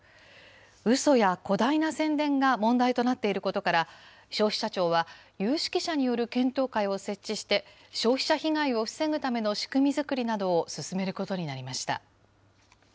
うそや誇大な宣伝が問題となっていることから、消費者庁は、有識者による検討会を設置して、消費者被害を防ぐための仕組み作りなどを進めることになりました。